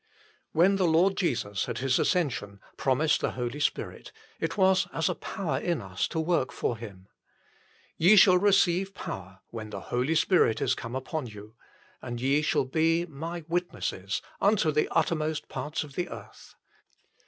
When the Lord Jesus at His ascension promised the Holy Spirit, it was as a power in us to work for Him. " Ye shall receive power, when the Holy Spirit is come upon you, and ye shall be My witnesses unto the uttermost parts of the earth."